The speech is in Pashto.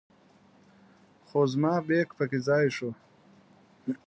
خو زما بیک په کې ځای شو.